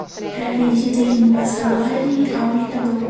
era vendido em vassalagem ao mercador